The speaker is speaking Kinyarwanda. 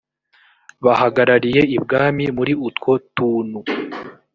bahagarariye ibwami muri utwo tunu